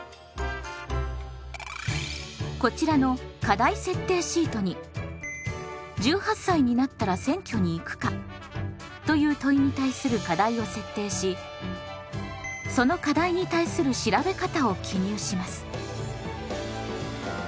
こちらの課題設定シートに「１８歳になったら選挙に行くか？」という問いに対する課題を設定しその課題に対する調べ方を記入します。